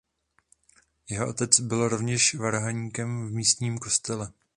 Jeho otec byl rovněž varhaníkem v místním kostele.